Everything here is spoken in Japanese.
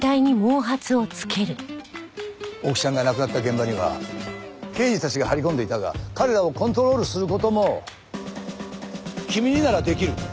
大木ちゃんが亡くなった現場には刑事たちが張り込んでいたが彼らをコントロールする事も君にならできる。